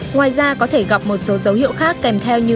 ngoài ra có thể gặp một số dấu hiệu khác kèm theo như